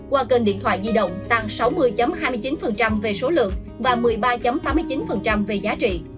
qua kênh điện thoại di động tăng sáu mươi hai mươi chín về số lượng và một mươi ba tám mươi chín về giá trị